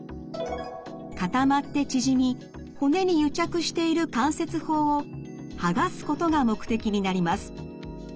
固まって縮み骨に癒着している関節包をはがすことが目的になります。